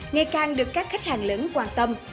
ngày càng được các khách hàng lớn quan tâm